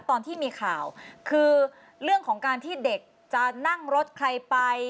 ตอนที่มีข่าวคือเรื่องของการที่เด็กจะนั่งรถใครไป